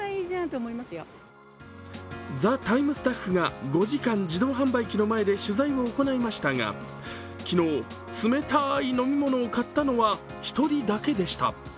スタッフが５時間自動販売機の前で取材を行いましたが、昨日、冷たい飲み物を買ったのは１人だけでした。